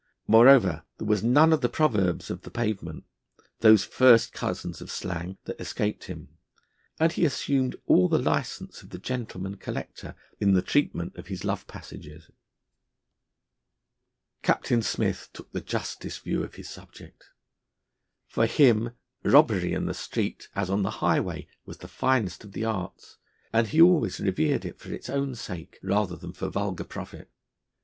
Moreover, there was none of the proverbs of the pavement, those first cousins of slang, that escaped him; and he assumed all the licence of the gentleman collector in the treatment of his love passages. Captain Smith took the justest view of his subject. For him robbery, in the street as on the highway, was the finest of the arts, and he always revered it for its own sake rather than for vulgar profit.